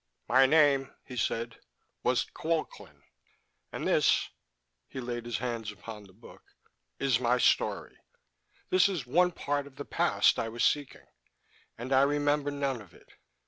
"My name," he said, "was Qulqlan. And this," he laid his hand upon the book, "is my story. This is one part of the past I was seeking. And I remember none of it...."